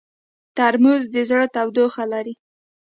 ترموز د زړه تودوخه لري.